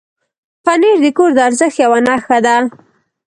پنېر د کور د ارزښت یو نښه ده.